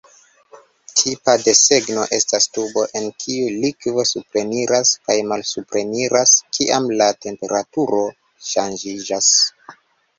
Tipa desegno estas tubo en kiu likvo supreniras kaj malsupreniras kiam la temperaturo ŝanĝiĝas.